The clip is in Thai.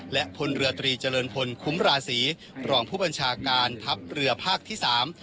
และพลเรือตรีเจริญพลคุ้มราศีรองผู้บัญชาการทัพเรือภาคที่สาม